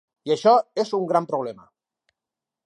I això és un gran problema.